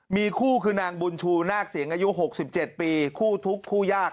มีคู่คือนางบุญชูนาคเสียงอายุ๖๗ปีคู่ทุกข์คู่ยาก